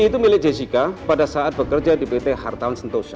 cv itu milik jessica pada saat bekerja di pt hartawan sentosa